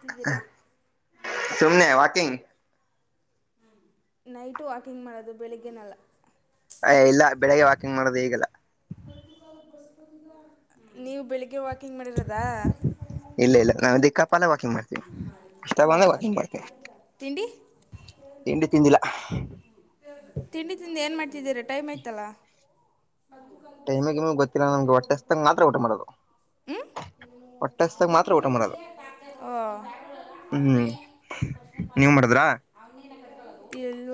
ತಿದ್ದೀರಾ ಸುಮ್ನೆ walking. Night walking ಮಾಡೋದು ಬೆಳಿಗ್ಗೆನಲ್ಲ. ಅಯ ಇಲ್ಲ ಬೆಳಿಗ್ಗೆ ವಾಕಿಂಗ್ ಮಾಡೋದು ಈಗಲ್ಲ. ನೀವು ಬೆಳಿಗ್ಗೆ ವಾಕಿಂಗ್ ಮಾಡಿರದಾ. ಇಲ್ಲ ಇಲ್ಲ ನಾವು ದಿಕ್ಕಾಪ್ಪಾಲ ವಾಕಿಂಗ್ ಮಾಡ್ತೀನಿ ಇಷ್ಟ ಓ ಬಂದಾಗ ವಾಕಿಂಗ್ ಮಾಡ್ತೀನಿ. ತಿಂಡಿ ತಿಂಡಿ ತಿಂದಿಲ್ಲ. ತಿಂಡಿ ತಿಂದೆ ಏನ್ ಮಾಡ್ತಿದ್ದೀರ ಟೈಮ್ ಆಯ್ತಲ್ಲ. ಟೈಮಿಂಗ ಗಿಮಿಂಗ ಗೊತ್ತಿಲ್ಲ ನಮ್ಗೆ ಹೊಟ್ಟೆ ಹಸ್ದಾಗ ಮಾತ್ರ ಊಟ ಮಾಡೋದು. ಹ್ಞೂ ಹೊಟ್ಟೆ ಹಸಿದಾಗ ಮಾತ್ರ ಊಟ ಮಾಡದು. ಓ ಹ್ಮ್ ನೀವ್ ಮಾಡದ್ರಾ. ಇಲ್ಲ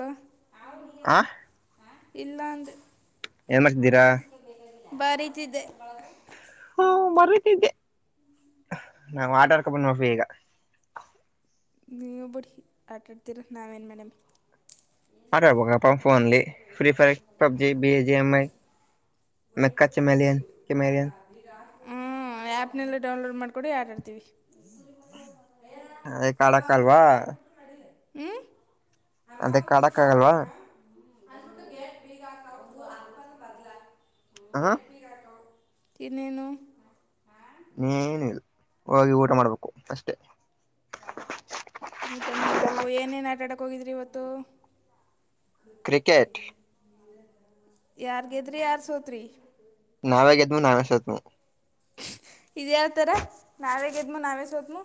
ಇಲ್ಲಾ ಅಂದೆ. ಏನ್ ಮಾಡ್ತಿದ್ದೀರಾ. ಬರಿತಿದ್ದೆ. ಹಾ ಬರೀತಿದ್ದೆ ನಾ ಮಾತಾಡ್ಕೊಂಡ [unintelligible] ಕಪ ಮಾಡಫಿ ಈಗ ನೀವು ಬಿಡಿ ಆಟಾಡ್ತಿರಾ ನಾವೇನು ಮಾಡಮಿ. ಆಟ ಆಡಬೇಕಪ್ಪ ಫೋನಲ್ಲಿ Free Fire PUBG B G M I ಮಕ್ಕಾಚಿಮ್ಯಲಿಯನ್ ಕೆಮಾಲಿಯನ್. ಬಡಿ ಆಟ ಆಡ್ತೀವಿ. ಆಯ್ತ ಆಡಕಲ್ವ. ಹ್ಮ ಅದಕಾಡಕಾಗಲ್ವಾ. ಅ್ಬಟ್ಟು ಗ ಬಗದು ಅ ಬದಲ [unintelligible] ಅಹ ಇನ್ನೇನು. ಏನ್ ಇಲ್ಲ ಹೋಗಿ ಊಟ ಮಾಡ್ಬೇಕು ಅಷ್ಟೆ. ಊಟ ಮಾಡ್ಬೇಕು ಏನೇನ್ ಆಟಾಡಕ್ ಹೋಗಿದ್ರಿ ಇವತ್ತು. ಕ್ರಿಕೆಟ್ ಯಾರ್ ಗೆದ್ರಿ ಯಾರ್ ಸೋತ್ರಿ. ನಾವೇ ಗೆದ್ನು ನಾವೇ ಸೋತ್ನಿ ಇದ ಯಾವತರ ನಾವೇ ಗೆದ್ಮು ನಾವೇ ಸೋತ್ಮು.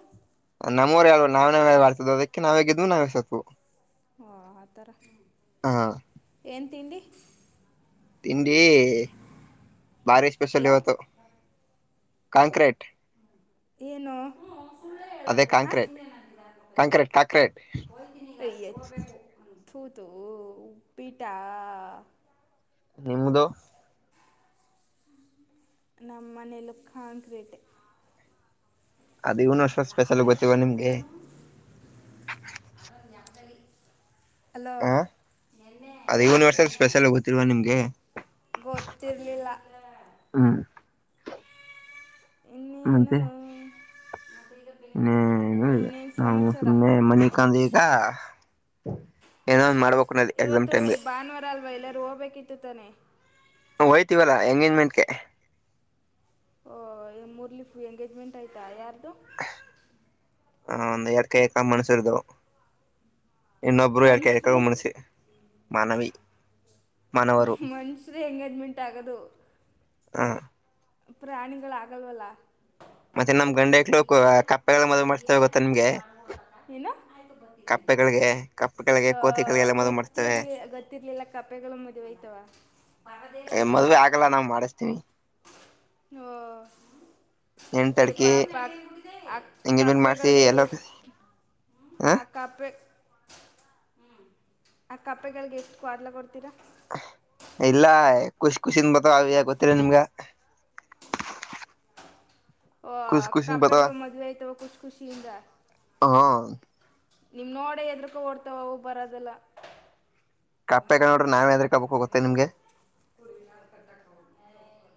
ನಮ್ಮೂರೆ ಅಲ್ವ ನಾವನಾವೆ ಅಲಾ ಆಡ್ತಿದೋ ಅದಕ್ಕೆ ನಾವ ಗೆದ್ವು ನಾವೆ ಸೋತ್ವು. ಹಾ ಆ ತರಾ. ಹಾ. ಏನ ತಿಂಡಿ. ತಿಂಡಿ ಬಾರಿ ಸ್ಪಷಲ್ ಹಲೋ ಇವತ್ತು. ಕಾಂಕ್ರೇಟ. ಏನು. ಅದೇ ಹಾಂ ಕಾಂಕ್ರೇಟ್ ಕಾಂಕ್ರೇಟ್ ಕಾಕ್ರೇಟ್. ತು ತು ಉಪಿಟ್ಟಾ. ನಿಮ್ಮದು. ನಮ್ಮನೇಲೂ ಕಾಂಕ್ರೀಟೆ. ಅದು ಯುನಿವರ್ಸಲ್ ಸ್ಪೆಷಲ್ ಗೊತ್ತಿವ ನಿಮ್ಗೆ. ಹಲೋ ಹಾ ಅದೇ ಯೂನಿವರ್ಸಲ್ ಸ್ಪೆಷಲ್ ಗೊತ್ತಿಲ್ವಾ ನಿಮ್ಗೆ. ಗೊತ್ತಿಲೀಲ್ಲಾ. ಹ್ಮ್ ಮುಂಚೆ. ಇನ್ನೇನು ಸಮಾಚಾರ [unintelligible] ಏನೋ ಒಂದ್ ಮಾಡ್ಬೇಕು ನಲ್ಲಿ ಇವತ್ತು ಭಾನುವಾರ ಅಲ್ವಾ ಎಲ್ಲಾರೂ ಹೋಗ್ಬೇಕಿ ಹೋಯ್ತುವಲ್ಲಾ ಎಂಗೇಜ್ಮೆಂಟ್ಗೆ. ಓ ಮುರಲಿ ಎಂಗೇಜ್ಮೆಂಟ್ ಆಯ್ತಾ ಯಾರ್ದು. ಹ ಒಂದು ಎಡ್ಕಾಯಕ ಮಣಸರದು. ಇನ್ನೊಬರೂ ಯಾರಕೆ ಇರಕ ಮನುಷ್ಯರೇ ಮಣಸು ಮಾನವಿ. ಮಾನವರು ಮನುಷ್ಯರ ಎಂಗೇಜ್ಮೆಂಟ್ ಆಗೋದು. ಹಾ. ಪ್ರಾಣಿಗಳು ಆಗಲ್ವಲ್ಲಾ. ಮತ್ತೆ ನಮ ಗಂಡಕ್ಳ ಕಪ್ಪೆಲ್ಲ ಮದ್ವೆ ಮಾಡ್ಸ್ತಾವ ಗೊತ್ತಾ ನಿಮ್ಗೆ. [inaudible] ಕಪ್ಪೆಗಳಿಗೆ ಕಪ್ಪೆಗಳಿಗೆ ಹ ಕೋತಿಗಳಿಗೆಲ್ಲ ಮದುವೆ ಮಾಡ್ತೇವೆ ಗೊತ್ತಿರ್ಲಿ ಗೊತ್ತಿರ್ಲಿಲ್ಲ ಕಪೆಗಳು ಮದ್ವೆಯ್ತಾವ. ಅ ಮದ್ವೆ ಆಗಲ್ಲ ನಾವ ಮಾಡಿಸತೀವಿ. ಎಂಟಡ್ಕಿ ಓಹ್. ಎಂಗೇಜ್ಮೆಂಟ್ ಮಾಡ್ಸಿ ಎಲ್ಲ [unintelligible] ಹ ಆ ಕಪ್ಪೆ ಹ್ಞ ಆ ಕಪ್ಪೆಗಳಿಗೆ ಎಷ್ಟ ಕ್ವಾಟ್ಲೆ ಕೊಡ್ತೀರಾ. ಇಲ್ಲ ಖುಷಿ ಖುಷನ್ ಬತವ ಅವ ಗೊತ್ತರ ನಿಮ್ಗ. [inaudible] ಓ ಖುಷ್ ಖುಷಿನ್ ಬತಾವ ಕಪೆಗಳು ಮದ್ವೆ ಆಯ್ತವ ಖುಷ ಖುಷಿಯಿಂದ. ಹ ನಿಮ್ ನೋಡ ಎದ್ರಕ ಓಡ್ತಾವವು ಬರದೆಲ್ಲ. ಕಪ್ಪೆಗಳು ನೋಡಿದ್ರೆ ನಾವೇ ಹೆದ್ರಕೋಬೇಕು ಗೊತ್ತೇ ನಿಮಗೆ.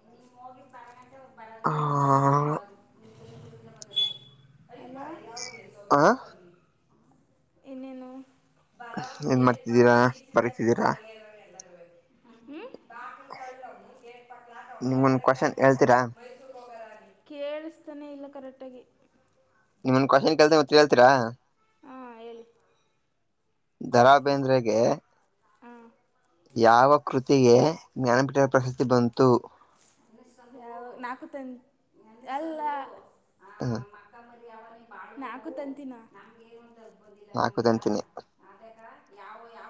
[inaudible] ಹಾಹಾ. ಆ. ಇನ್ನೇನು. ಏನ್ ಮಾಡ್ತಿದ್ದೀರಾ ಬರಿತಿದ್ದೀರಾ. ಹ್ಮ. ನಿಮಗೊಂದು ಕೊಷ್ಯನ್ನ್ ಹೇಳ್ತೀರಾ. ಕೇಳಿಸ್ತಾನೆ ಇಲ್ಲ ಕರೆಕ್ಟಾಗಿ. ನಿಮಗೊಂದು ಕೊಸ್ಯಾನ್ ಕೇಳ್ತೀನಿ ಉತ್ತರ ಹೇಳ್ತೀರಾ. ಹಾ ಹೇಳಿ. ದರಾ ಬೇಂದ್ರಗೆ ಹಾಂ ಯಾವ ಕೃತಿಗೆ ಜ್ಞಾನಪೀಠದ ಪ್ರಶಸ್ತಿ ಬಂತು. ಯಾವ ನಾಕು ತಂತಿ ಅಲ್ಲ. ಹ. ನಾಕು ತಂತಿನ. ಬಂದಿಲ್ಲ ನಾಲ್ಕು ನಂಗಾ ಅಂತೀನಿ ಅದಕ ಯಾವ ಯಾವ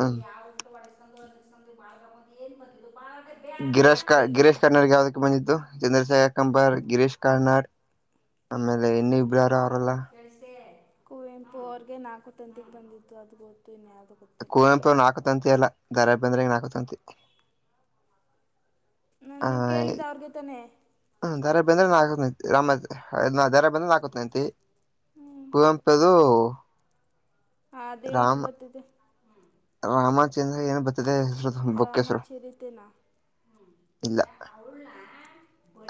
ಹ್ಮ್ ಯಾವತ್ತು ಹೊಡ್ [unintelligible] ಎನ್ ಬಂದಿದ್ದು. ಗಿರಸ್ಕರ ಗಿರೆಶ್. ಕರ್ನಾಡಗೆ ಯಾವುದಕ್ಕ ಬಂದಿದ್ದು ಚಂದ್ರಶೇಖರ್ ಕಂಬಾರ್ ಗಿರೀಶ್ ಕಾರ್ನಾಡ್. ಆಮೇಲೆ ಇನ್ನು ಇಬ್ರು ಯಾರೋ ಅವರಲ್ಲ. ಕುವೆಂಪು ಅವರ್ಗೆ ನಾಕು ತಂತಿದ್ ಬಂದಿತ್ತು ಅದು ಗೊತ್ತು ಇನ್ಯಾವ ಕುವೆಂಪು ಅವ್ರ ನಾಕು ತಂತಿ ಅಲ್ಲ ದ ರಾ ಬೇಂದ್ರೆಗ ನಾಕು ತಂತಿ. ನಾನು ಹ ನೀವು ಏ ಕೇಳಿದ್ದು ಅವ್ರಿಗೆ ತಾನೇ ಹ್ ದ ರಾ ಬೇಂದ್ರೆ ನಾಕು ತಂತಿ ರಾಮ ದ ರಾ ಬೇಂದ್ರೆ ನಾಕುತಂತಿ ಹ್ಞೂ ಕುವೆಂಪುದು. ಹ ಅದೇ ಇದು ರಾಮ ಬರ್ತೈತೆ. ರಾಮಚಂದ್ರ ಏನ್ ಬರ್ತದೆ ಹೆಸರು ಬುಕ್ ರಾಮಾ ಹೆಸರು ಚರಿತೆನಾ.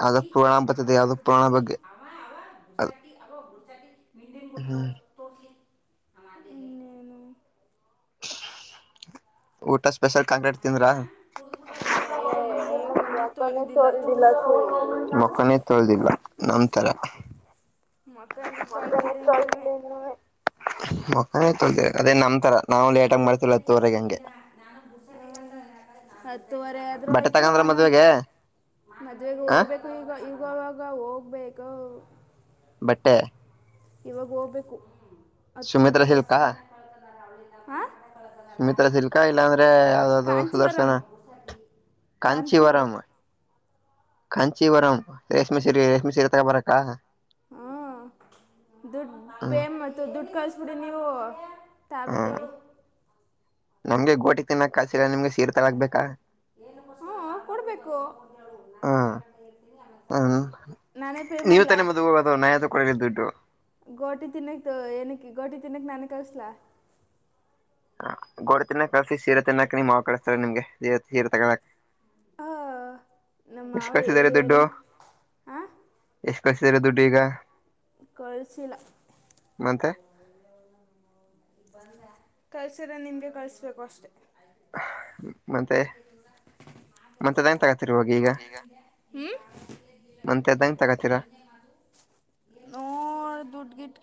ಆಗ ಪುರಾಣ ಬತ್ತದೆ ಯಾವ್ದೋ ಪುರಾಣ ಬಗ್ಗೆ ಅದ. ಹ್ಮ್ ಇನ್ನೇನು. ಊಟ ಸ್ಪೆಷಲ್ ಕಾಂಕ್ರೀಟ್ ತಿಂದ್ರ. ಮೊಕಾನೆ ಮೊಕನೇ ತೋಳದೀದಿಲ್ಲ ಮೊಕಾನೆ ತೊಳಿದಿಲ್ಲ ನಮ್ತರ. ಮೊಕನೇ ಮೊಕನೆ ತೊಳ್ದಿಲ್ಲ ಇನ್ನೂ ತೋಳಿದಿಲ್ ಇನ್ನುವೇ ಮೋ ಅದೇ ತೊಳಿದಿ ಅದೆ ನಮ್ತರ. ನಾವು ಲೇಟಾಗಿ ಮಾಡ್ತೀವಲ್ಲ ಹತ್ತು ವರೆಗೆ ಹಂಗೆ. ಹತ್ತುವರೆ ಆದ್ರೂ ಬಟ್ಟೆ ಆಯ್ತು ತಗಂದ್ರ ಹನ್ನೊಂದು ಮದ್ವೆಗೆ ಮದ್ವೆಗ ಆ ಹೋಗ್ಬೇಕು ಈಗ ಈಗ್ ಈವಾಗಗ ಹೋಗ್ಬೇಕ. ಬಟ್ಟೆ ಇವಾಗ ಹೋಗ್ಬೇಕು ಹತ್ತೂವರೆ ಸುಮಿತ್ರ ಬಸ್ಗ ಸಿಲ್ಕಾ ಹ. ಸುಮಿತ್ರಾ ಸಿಲ್ಕಾ ಇಲ್ಲಾ ಅಂದ್ರೆ ಯಾವ್ದ್ದೂ ಸುದರ್ಶನ. ಕಾಂಚಿವರಂ ಕಾಂಚಿ ಕಾಂತಿಯವರು ವರಮ್. [unintelligible] ಕಾಂಚೀ ವರಂ ರೇಷ್ಮೇ ಸೀರೆ ರೇಷ್ಮೇ ಸೀರೆ ತಗೊಂಡು ಬರಾಕ. ಹ್ಮ ದುಡ್ಡು ಪೇ ಹ್ಮ್ ಮತ್ತು ದುಡ್ಡು ಕಳಸ್ಬಿಡಿ ನೀವು. ತಾ ಹ್ಮ್ ಬತ್ತಿನಿ. ನಮ್ಗೆ ಗೋಟಿ ತಿನ್ನಕ್ಕ ಕಲ್ಸಿಲ್ಲ ನಿಮ್ಗೆ ಸೀರೇ ತಗೋಳಕ ಬೇಕಾ. ನೋಡ್ಬೇಕು ಹ್ಮ್ ನಾನೇ ಪೇ ಮಾಡ್ಲ ಕೊಡಿ ದುಡ್ಡು. ಗೋಟಿ ತಿನ್ನಕ್ ತೋ ಏನಕ್ಕ ಗೋಟಿ ತಿನ್ನಕ್ ನಾನೆ ಕಳಸ್ಲ. ಗೋಟಿ ತಿನ್ನಾಕ್ ಕಳಸಿ ಸೀರೆ ತಿನ್ನಾಕ್ ನಿಮ್ ಮಾವ ಕಳಿಸ್ತಾರೆ ನಿಮ್ಗೆ ಏ ಏನ್ರ ತಗಳಕ್. ಹ ನಮ್ಮಾವ ಕಳ್ಸಿದಾರೆ ಹೇಳಿ ಹೇಳಿ ಆ ಕಳ್ಸಿರ ದುಡ್ಡು ಈಗ ಕಳಿಸಿಲ್ಲ ಮತ್ತೆ. ಕಳ್ಸಿರೆ ನಿಮ್ಗೆ ಕಳ್ಸ್ಬೇಕು ಅಷ್ಟೆ. ಮತ್ತೆ ಮಂತ್ದಂಗ ತಗತಿರಿ ಇವಾಗ ನೋಗ ಈಗ, ಹ್ಮ ಮಂತ ಹೇಳ್ದಂಗ ತಗತೀರಾ. ನೋ ಡುಡ್ಡ್ ಗಿಡ್ಡ್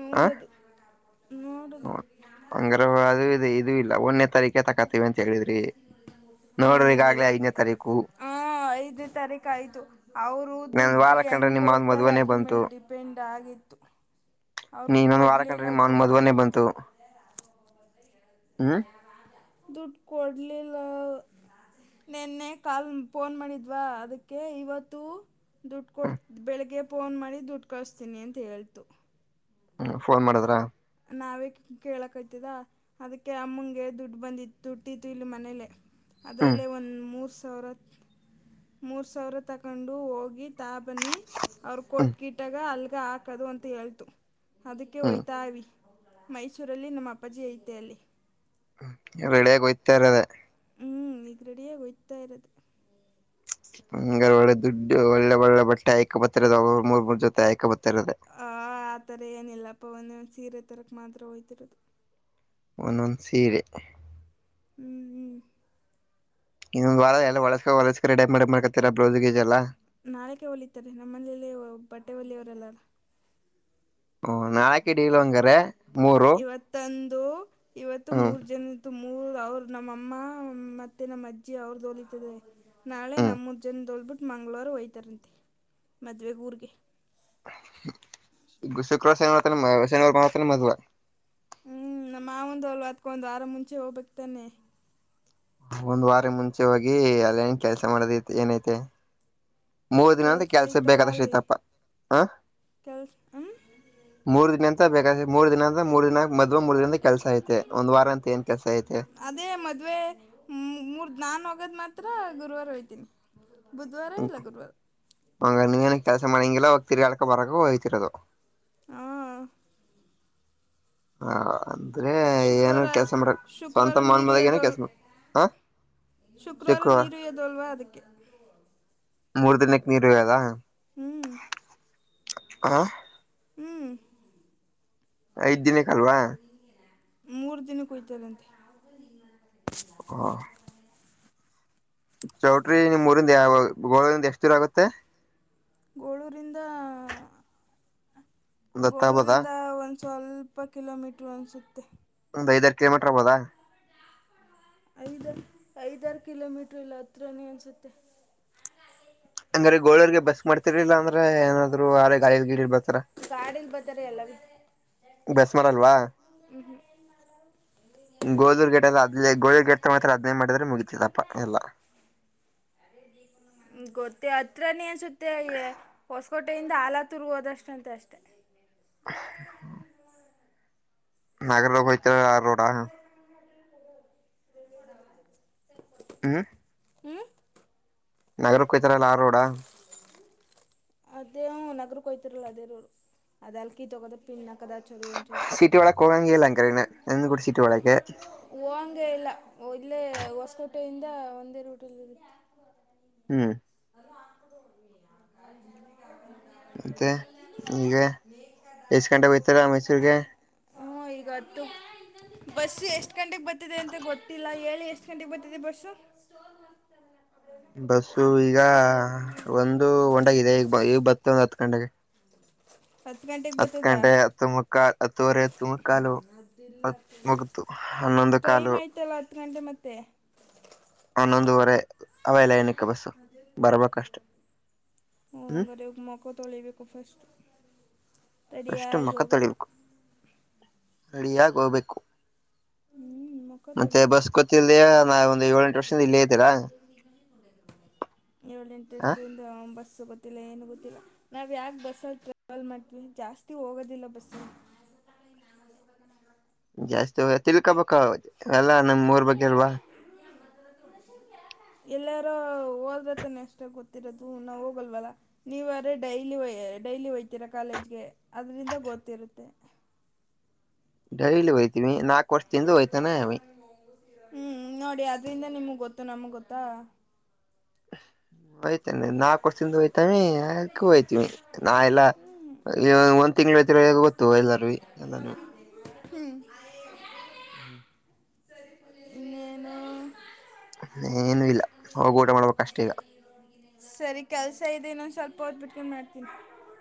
ನೋಡದು. ಹ್ ಹಂಗಾದ್ರೆ ಇದು ಇದು ಇಲ್ಲ ಒನ್ನೇ ತಾರೀಕೆ ತಕ. ತಿವಂತ್ ಹೇಳಿದ್ರಿ ನೋಡ್ರಿ ಹ್ಮ್ ಈಗಾಗಲೇ ಇವತ್ತು ಐದನೇ ತಾರೀಕು. ಐದನೇ ತಾರೀಕು ಆಯ್ತು. ಅವ್ರು ನನ್ ದುಡ್ಡ ವಾರ ಕಂಡ್ರೆ ಹೆಂಗೆ ನಿಮ್ಮ ಅವನ್ ಕೊಡ್ತಾರೆ ಮದ್ವನೇ ಅದ್ರ ಬಂತು ಮೇಲೆ ಡಿಪೆಂಡ್ ಆಗಿತ್ತು. ಅವ್ರು ಹಿನೋಂದ ವಾರ ಕೊಡಲಿಲ್ಲ ಕಂಡ್ರಿ ಮಾವನ್ ದುಡ್ಡು ಮದ್ವನೇ ಬಂತು ಹ್ಮ್. ದೂಡ್ ಕೊಡಲಿಲ್ಲ. ನಿನ್ನೆ ಕಾಲ್ ಫೋನ್ ಮಾಡಿದ್ವಾ ಅದಕ್ಕೆ ಇವತ್ತು. ದುಡ್ಡ ಹ್ಮ್ ಕೊಡ್ತ ಬೆಳಿಗ್ಗೆ ಫೋನ್ ಮಾಡಿ ದುಡ್ಡು ಕಳಸ್ತೀನಿ ಅಂತ ಹೇಳ್ತು. ಹ್ಮ ಫೋನ್ ಮಾಡಿದ್ರ. ನಾವೇ ಕೇಳಕೆ ಆಯ್ತುದ ಅದಕ್ಕೆ ಅಮ್ಮಂಗೆ ದುಡ್ ಬಂದಿ ದುಡ್ಡಿತ್ತು ಇಲ್ಲಿ ಮನೇಲೆ ಹ್ಮ್ ಅದರಲ್ಲೇ ಒರ್ ಸಾವಿ ಮೂರ್ ಸಾವಿರ ತಗೊಂಡು ಹೋಗಿ ತಾಬ್ ಬನ್ನಿ ಅವರು ಹ್ಮ್ ಕೊಟ್ ಗಿಟಾಗ ಅಲ್ಗೆ ಹಾಕೋದು ಅಂತ ಹೇಳ್ತು ಅದಕ್ಕೆ ಹ್ಮ್ ಹೋಯ್ತಾವಿ ಮೈಸೂರಲ್ಲಿ ನಮ್ಮ ಅಪ್ಪಾಜಿ ಐತೆ ಅಲ್ಲಿ ರೆಡಿಯಾಗಿ ಹಯ್ತಾರದೇ ಹ್ಮ್ ಈಗ ರೆಡಿಯೇ ಗಯತಾ ಇರದೇ ಹಂಗ ಒಳ್ಳೆ ದುಡ್ಡು ಒಳ್ಳೆ ಒಳ್ಳೆ ಬಟ್ಟೆ ಆಯ್ಕ ಬತ್ತ ಅವ ಮೂರ್ ಮೂರ್ ಜೊತೆ ಐಕ ಬರ್ತಾ ಇರೋದು ಆ ಆಥರ ಏನಿಲ್ಲಪ್ಪ ಒಂದೇ ಒಂದ ಸೀರೆ ತರಕ್ ಮಾತ್ರ ಹೋತಿರೋದು ಒನ್ ಒನ್ ಸೀರೆ ಹ್ಮ್ ಹ್ಮ್ ಇದೊಂದು ವಾರ ಎಲ್ಲ ಹೊಳಸ್ಕ ಹೊಳಸ್ಕ ರೆಡಿ ಮಾಡಕತೀರ ಬ್ಲೌಸ್ ಗಜ ಎಲ್ಲ. ನಾಳಕ ಹೊಲಿತಾರೆ ನಮ್ಮಲ್ಲಿಲ್ಲ ಬಟ್ಟೆ ಹೊಲಿಯವರೆಲ್ಲಾರ ಹಓ ನಾಳಕೆಡಿಲಂಗ್ರ ಮೂರು ಇದು ಇವತ್ತು ಹ್ಮ್ ಮೂರ್ ಜನ ಮೂರ್ ಅವ್ರ ನಮ್ಮಅಮ್ಮ ಮತ್ತೆ ನಮ್ಮ ಅಜ್ಜಿ ಅವ್ರೋಲಿತದೆ ನಾಳೆ ನಮ್ಮೂ ಜನ್ ಅಂದೊಳ್ಬಿಟ್ಟು ಮಂಗಳೂರು ಹೋಯ್ತಾರಂತೆ ಮದುವೆ ಊರಿಗೆ ಶುಕ್ರವಾರ ಶನಿವ ಮಾತ್ರ ಶನಿವಾರ ಮಾತ್ರ ಮದುವೆ ಹ್ಮ್ ನಮ್ಮ ಮಾವಂದ ಅಲ್ ಅದಕ್ಕೊಂದು ವಾರ ಮುಂಚೆ ಹೋಗ್ಬೇಕಕ್ತಾನೆ ಒಂದ್ ವಾರ ಮುಂಚೆ ಹೋಗಿ ಅಲೇನ್ ಕೆಲ್ಸ ಕೆಲಸ ಮಾಡದ್ದು ಏನೈತೆ ಮೂರು ದಿನದಿಂದ ಕೆಲಸ ಕೆಲ್ಸ ಐತಲ್ಲ ಬೇಕಾದಷ್ಟ ಅಲ್ಲಿ ಆಯ್ತಪ್ಪ ಕೆಲಸ ಹ್ಞೂ ಮೂರು ದಿನಂ ಬೇಕಾದೆ ಮೂರ್ ದಿನ ಅಂದ್ರೆ ಮೂರ್ ದಿನ ಮದುವೆ ಮೂರ್ ದಿನದ ಕೆಲ್ಸ ಐತೆ ಒಂದು ವಾರ ಅಂತ ಏನ್ ಕೆಲಸ ಐತೆ ಅದೇ ಮದುವೆ ಮೂರ್ ನಾನ್ ಹಾಗಾದ ಮಾತ್ರ ಗುರುವಾರ ಹೋಯ್ತೀನಿ ಬುಧವಾರ ಇಲ್ಲ ಗುರುವಾರ ಕೆಲಸ ಮಾಡಣಂಗಿಲ್ಲ ಹೋಗಿ ತಿಗಾಕ ಬರಕ ಹಯ್ತಿರೋದು ಹಾ ಹಾ ಅಂದ್ರೆ ಏನು ಶುಕ್ರವಾರ ಕೆಲ್ಸ ಮಾಡಕ್ ಶುಕ್ರವಾರ ಸ್ವಂತ ಮನ್ ನೀರು ಮದಾಗ ಏನ ಎದೋಲ್ ಕೆಲ್ಸ ಮಾಡ ಹ ಶುಕ್ರವಾರ ನೀರು ಹೊಯ್ದು ಅಲ್ವಾ ಅದಕ್ಕೆ ಮೂರ್ ದಿನಕ್ಕೆ ನೀರು ಹೊಯ್ದುದ ಹ್ಮ್ ಹ ಹ್ಮ್ ಐದ್ ದಿನಕ್ಕೆ ಅಲ್ವಾ ಮೂರು ದಿನ ಕೊಯ್ತಲ್ಲಂತೆ ಹಾ ಚೌಟ್ರಿ ನಿಮ್ ಊರಿಂದಾವ ಗೋಳಿಂದ ಎಷ್ಟ ದೂರ ಆಗುತ್ತೆ ಗೋಳೂರಿಂದ ಒಂದ್ ಹತ್ತ ಆಗ್ಬೋದಾ ಗೋಳೂರಿಂದ ಒಂದು ಸ್ವಲ್ಪ ಕಿಲೋಮೀಟ್ರು ಅನ್ಸುತ್ತೆ ಕಲೋಮೀಟರ್ಬೋದಾ ಐದ ಐದಾರು ಕಿಲೋಮೀಟರ್ ಇಲ್ಲ ಹತ್ರನೇ ಅನ್ಸುತ್ತೆ ಹಂಗ್ರ ಗೋರ್ಗೆ ಬಸ್ ಮಾಡ್ತಿರ್ಲಿಲ್ಲ ಅಂದ್ರೆ ಏನಾದ್ರು ಆರ ಗಾಳಿಯಲ್ ಗಿಡ ಇಡ್ ಬರ್ತಾರ ಗಾಡೀಲಿ ಬರ್ತಾರೆ ಎಲ್ಲವೇ ಬಸ್ ಮಾಡಲ್ವಾ ಗೋಧೂರ್ ಗೇಟ್ ಎಲ್ಲ ಅದ್ ಗೋಧೂರ್ ಗೇಟ್ ತಗೊತ ಅದ್ನೇ ಮಾಡಿದ್ರೆ ಮುಗಿತಿದಪ್ಪ ಎಲ್ಲ ಅದೇ ಜ ಗೊತ್ತೇ ಹತ್ರನೇ ಅನ್ಸುತ್ತೆ ಹೊಸಕೋಟೆಯಿಂದ ಆಲಾತುರ್ಗ ಹೋದಷ್ಟಂತ ಅಷ್ಟೆ ಹ್ಮ ನಾಗರಲೋಗ ಹತ ರೋಡ ಹ ಹ್ಮ ನಗರಕ್ಕ ಈತರ ಎಲ್ಲ ಆ ರೋಡಾ [unintelligible] ಅದೇ ನಗರು ಕ ಕೊಯ್ತಿರಲ್ಲ ಅದೇರು ಅದ ಅಲ್ಕಿ ತಗೋದ ಪಿನ್ನ [inaudible] ಸಿಟಿ ಒಳಕ್ ಹೋಗಂಗ ಎಲ್ಲ ಅಕ್ರನ ನಂದ ಕೂಡ ಸಿಟಿ ಒಳಗೆ ಹಂಗಗೆ ಇಲ್ಲ ಇಲ್ಲೇ ಹೊಸಕೋಟೆಯಿಂದ ಒಂದೇ ರೂಟಲ್ಲಿ ಇರುತ್ತೆ ಹ್ಮ್ [unintelligible] ಮತ್ತೆ ಈಗ ಎಷ್ಟ್ ಗಂಟೆಗೆ ಹೋಯ್ತಾರ ಮೈಸೂರ್ಗೆ ಹ ಇಗ ತು ಬಸ್ಸು ಎಷ್ಟು ಗಂಟೆಗೆ ಬರ್ತಿದೆ ಅಂತ ಗೊತ್ತಿಲ್ಲ ಹೇಳಿ ಎಷ್ಟು ಗಂಟೆಗೆ ಬರ್ತಿದೆ ಬಸ್ಸು [inaudible] ಮಸ್ ಅಲ್ಲ ಬಸ್ಸು ಈಗ ಒಂದು ಒಂಟಗ ಗೊತ್ತಿಲ್ಲಕ್ಕ ಇದೆ ಈಗ ಈಗ ಬತ್ತ ಒಂದ್ ಹತ್ತು ಗಂಟೆಗೆ ಹತ್ತು ಗಂಟೆಗೆ ಹತ್ ಬರ್ತದ ಗಂಟೆ ಹತ್ತು ಮುಕ್ಕಾ ಹತ್ತುವರೆ ತುಮಕ್ಕಾಲು ಹ ಮುಗತು ಹನ್ನೊಂದು ಟೈಮ್ ಕಲು ಆಯ್ತಲ್ಲ ಹತ್ತು ಗಂಟೆ ಮತ್ತೆ ಆನ್ನೊಂದುವರೆ ಅವೆ ಲೈನಿಕ ಬಸ್ಸು ಬರ್ಬೇಕಷ್ಟೆ ಹ ಹ್ಮ್ ಹಂಗ್ರ ಒ ಮಕ ತೊಳಿಬೇಕು ಫಸ್ಟ್ ಷ್ಟು ಮಖ ತೊಳಿಬೇಕು ರೆಡಿಯಾಗಿ ಹೋಗ್ಬೇಕು ಹ್ಞೂ ಮುಖ ಮತ್ತೆ ತೊಳಿಬೇಕು ಬಸ್ ಗೊತ್ತರ್ದಯ ನಾವ ಒಂದು ಏಳೆಂಟು ವರ್ಷಿಂದ ಇಲ್ಲಿೇ ಹೇತೀರಾ ಇ ಇಂಟ್ರೆಸ್ಟ್ಿಂದ ಬಸ್ ಗೊತ್ತಿಲ್ಲ ಏನು ಗೊತ್ತಿಲ್ಲ ನಾವ್ ಯಾಕೆ ಬಸ್ಸಲ್ಲಿ ಟ್ರಾವೆಲ್ ಮಾಡ್ತವಿ ಜಾಸ್ತಿ ಹೋಗೋದಿಲ್ಲ ಬಸ್ [unintelligible] ಜಾಸ್ತಿ ಹ ತಿಳ್ಕೊಬೇಕ ಎಲ್ಲಾ ನಮ್ ಊರ್ ಬಗ್ಗೆಲ್ವಾ ಶ [unintelligible] ಎಲ್ಲಾರೂ ಹೋದ್ರ ತಾನ ಎಷ್ಟ ಗೊತ್ತಿರೋದು ನಾವು ಹೋಗಲ್ವಲ್ಲ ನೀವ ಯಾರ ಡೈಲಿ ಡೈಲಿ ಹೋಗಯ್ತೀರ ಕಾಲೇಜ್ಗೆ ಅದರಿಂದ ಗೊತ್ತಿರುತ್ತೆ ಡೈಲಿ ಹಯ್ತೀವಿ ನಾಕಕ್ ವರ್ಷ ಇಂದ ಹೋಯ್ತಾನೆ ಅವ ಹ್ಮ್ ನೋಡಿ ಅದ್ರಿಂದ ನಿಮಗ್ ಗೊತ್ತು ನಮ್ಗ್ ಗೊತ್ತಾ ಹಯ್ತನೆ ನಾ ಕೊಡ್ಸ ಹಯ್ತಾಮಕ ಹಯ್ತವಿ ನಾ ಎಲ್ಲ ಒಂದ್ ತಿಂಗ್ಗಳು ಹಐತಿರಗ ಗೊತ್ತು ಎಲ್ಲಾರೂ ಎಲ್ಲಾನು ಹ್ಮ್ ಹ್ಮ್ ಹ್ಮ ಇನ್ನೇನು ಏನು ಇಲ್ಲ ಅವೋಗ ಊಟ ಮಾಡ್ಬೇಕಷ್ಟ ಈಗ ತ್ತನ್ನತ [unintelligible]